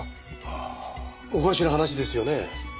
おかしな話ですよね。